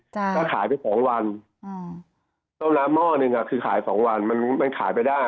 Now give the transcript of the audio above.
ก็ขายไปสองวันอืมต้มน้ำหม้อหนึ่งอ่ะคือขายสองวันมันมันขายไปได้